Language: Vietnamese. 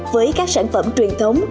với các sản phẩm truyền thống